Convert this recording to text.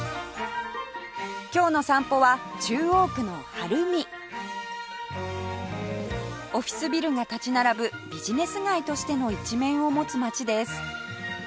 今日の散歩は中央区の晴海オフィスビルが立ち並ぶビジネス街としての一面を持つ街です